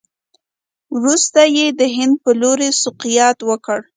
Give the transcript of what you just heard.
وروسته یې د هند په لوري سوقیات وکړل.